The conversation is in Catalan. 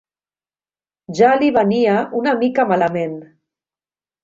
Ja li venia una mica malament